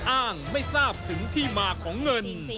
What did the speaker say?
อ้างไม่ทราบถึงที่มาของเงิน